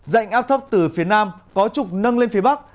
dạnh áp thấp từ phía nam có trục nâng lên phía bắc